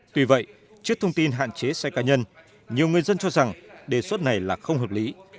tuy vậy trước thông tin hạn chế xe cá nhân nhiều người dân cho rằng đề xuất này là không hợp lý